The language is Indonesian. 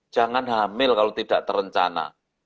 jangan hamil kalau tidak terencana